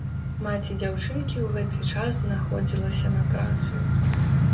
Маці дзяўчынкі ў гэты час знаходзілася на працы.